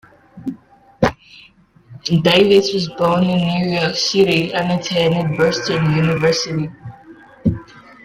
Davis was born in New York City and attended Boston University.